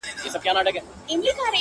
جنت سجده کي دی جنت په دې دنيا کي نسته!